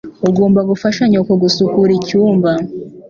Ugomba gufasha nyoko gusukura icyumba.